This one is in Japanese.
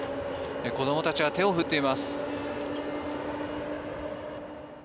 子どもたちは手を振っています。